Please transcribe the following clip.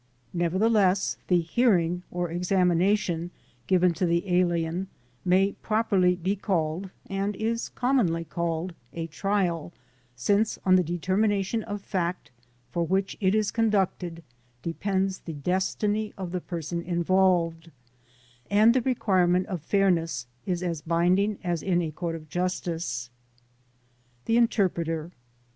Nevertheless the hearing or examination given to the alien may properly be called, and is commonly called, a trial, since on the determination of fact for which it is conducted depends the destiny of the person involved, and the requirement of fairness is as binding as in a court of justice. The Interpreter.